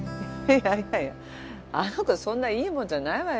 いやいやあの子そんないいもんじゃないわよ